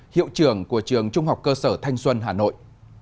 hiệu trưởng của trường trung học cơ sở thanh xuân hà nội